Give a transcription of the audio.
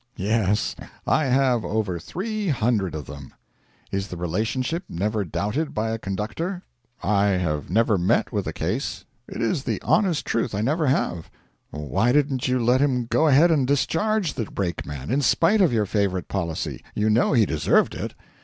'Yes. I have over three hundred of them.' 'Is the relationship never doubted by a conductor?' 'I have never met with a case. It is the honest truth I never have.' 'Why didn't you let him go ahead and discharge the brakeman, in spite of your favourite policy. You know he deserved it.'